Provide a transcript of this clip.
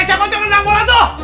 siapa yang menang bola tuh